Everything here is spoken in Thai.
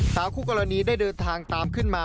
คู่กรณีได้เดินทางตามขึ้นมา